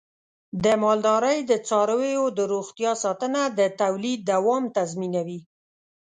د مالدارۍ د څارویو د روغتیا ساتنه د تولید دوام تضمینوي.